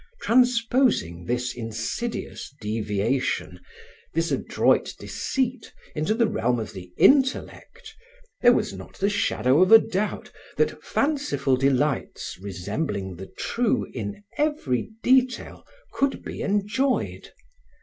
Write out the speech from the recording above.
Transposing this insidious deviation, this adroit deceit into the realm of the intellect, there was not the shadow of a doubt that fanciful delights resembling the true in every detail, could be enjoyed.